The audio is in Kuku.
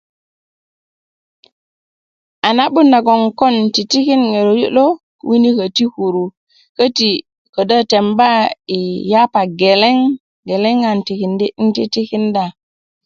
a na'but nagon kon titikin ŋiro liyo lo winiko ti kuru köti kodo temba i yapa geleŋ geleŋ an tikin 'n titikinda